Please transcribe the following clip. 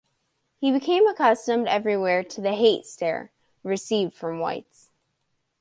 He became accustomed everywhere to the "hate stare" received from whites.